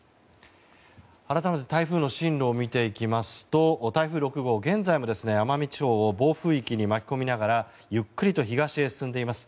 改めて台風の進路を見ていきますと台風６号、現在も奄美地方を暴風域に巻き込みながらゆっくりと東へ進んでいます。